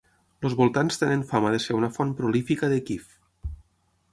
Els voltants tenen fama de ser una font prolífica de kif.